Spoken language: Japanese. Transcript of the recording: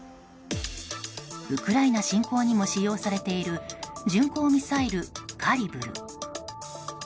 ウクライナ侵攻にも使用されている巡航ミサイルカリブル。